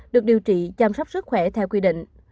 được điều trị chăm sóc sức khỏe theo quy định